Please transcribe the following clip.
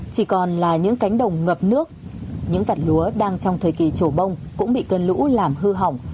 chỉ còn là những cánh đồng ngập nước những vặt lúa đang trong thời kỳ trổ bông cũng bị cơn lũ làm hư hỏng